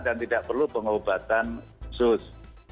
dan tidak perlu pengobatan khusus